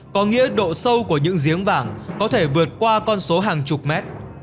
có nghĩa độ sâu của những giếng vàng có thể vượt qua con số hàng chục mét